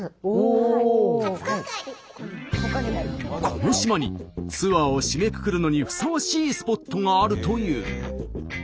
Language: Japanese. この島にツアーを締めくくるのにふさわしいスポットがあるという。